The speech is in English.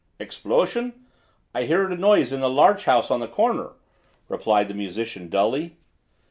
"Explosion? I hear a noise in the larch house on the corner," replied the musician dully.